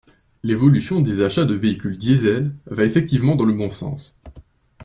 L’évolution des achats de véhicules diesel va effectivement dans le bon sens.